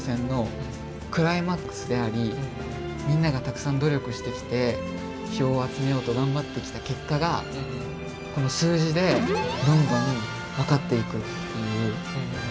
みんながたくさん努力してきて票を集めようと頑張ってきた結果がこの数字でどんどん分かっていくっていう。